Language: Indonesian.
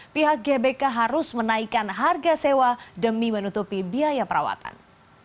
pihak gbk harus menaikkan harga sewa demi menutupi biaya perawatan